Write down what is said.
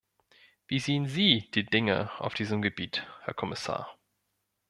Wie sehen Sie die Dinge auf diesem Gebiet, Herr Kommissar?